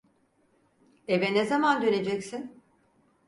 Eve ne zaman döneceksin?